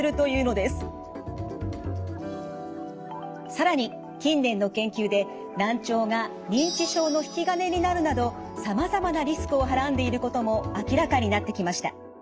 更に近年の研究で難聴が認知症の引き金になるなどさまざまなリスクをはらんでいることも明らかになってきました。